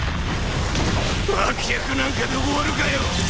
脇役なんかで終わるかよ！